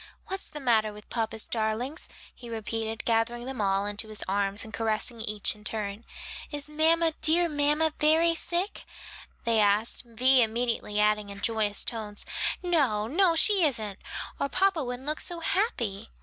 "What's the matter with papa's darlings?" he repeated, gathering them all into his arms, and caressing each in turn. "Is mamma, dear mamma, very sick?" they asked, Vi immediately adding in joyous tones, "No, no, she isn't, or papa wouldn't look so happy."